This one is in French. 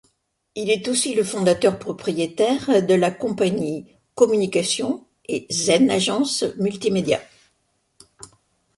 Il est aussi le fondateur propriétaire de la compagnie Communication et ZenAgence Multimédia.